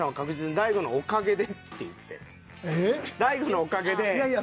大悟のおかげで。